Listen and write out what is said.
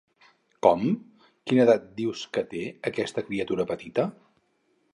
Com, quina edat dius que té aquesta criatura petita?